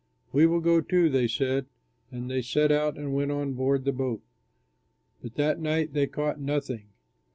"We will go too," they said, and they set out and went on board the boat; but that night they caught nothing.